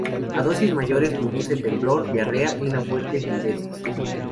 A dosis mayores produce temblor, diarrea y una fuerte diuresis.